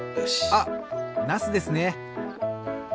あっなすですね。